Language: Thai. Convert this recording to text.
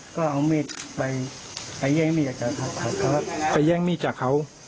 ก็เอามีดไปไปแย่งมีดจากเขาไปแย่งมีดจากเขา